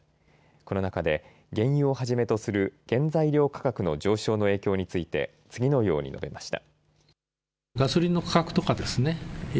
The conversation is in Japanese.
この中で、原油をはじめとする原材料価格の上昇の影響について次のように述べました。